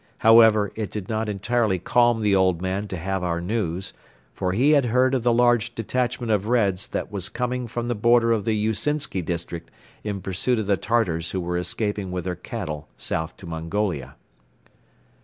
However, it did not entirely calm the old man to have our news, for he had heard of the large detachment of Reds that was coming from the border of the Usinsky District in pursuit of the Tartars who were escaping with their cattle south to Mongolia.